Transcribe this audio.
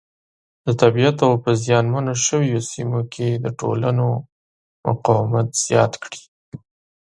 د طبیعیت او په زیان منو شویو سیمو کې د ټولنو مقاومت زیات کړي.